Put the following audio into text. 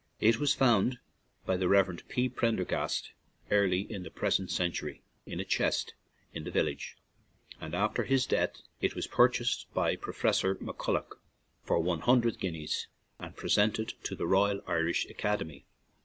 It was found by the Rev. P. Prendergast early in the present century in a chest in the village, and after his death it was purchased by Professor MacCullagh for one hundred guineas, and presented to the Royal Irish Academy.